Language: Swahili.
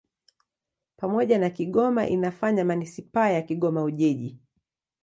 Pamoja na Kigoma inafanya manisipaa ya Kigoma-Ujiji.